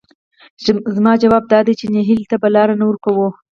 زما ځواب دادی چې نهیلۍ ته به لار نه ورکوو،